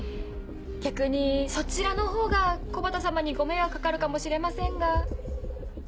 逆にそちらのほうが木幡様にご迷惑掛かるかもしれませんが。